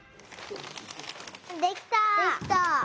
できた！